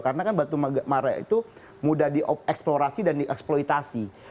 karena kan batu bara itu mudah dieksplorasi dan dieksploitasi